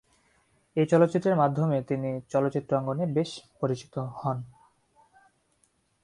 এই চলচ্চিত্রের মাধ্যমে তিনি চলচ্চিত্র অঙ্গনে বেশ পরিচিত হন।